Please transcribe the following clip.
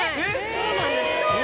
そうなんです。